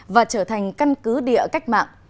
và trở thành căn cứ địa cách mạng